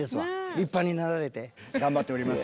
立派になられて。頑張っております。